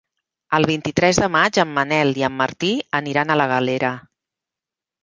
El vint-i-tres de maig en Manel i en Martí aniran a la Galera.